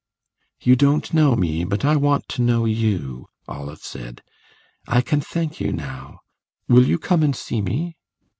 "You don't know me, but I want to know you," Olive said. "I can thank you now. Will you come and see me?"